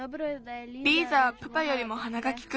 リーザはプパよりもはながきく。